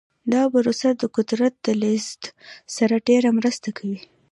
دا پروسه د قدرت د لیږد سره ډیره مرسته کوي.